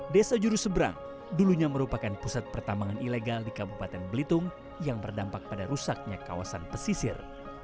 desa jurusebrang dulunya merupakan pusat pertambangan ilegal di kabupaten belitung yang berdampak pada rusaknya kawasan pesisir